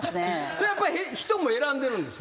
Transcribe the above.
それはやっぱり人も選んでるんですね？